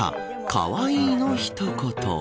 かわいいの一言。